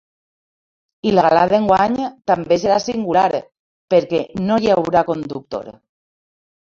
I la gala d’enguany també serà singular perquè no hi haurà conductor.